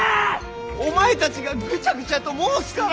お前たちがぐちゃぐちゃと申すから！